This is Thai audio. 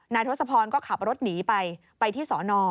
ทศพรก็ขับรถหนีไปไปที่สอนอ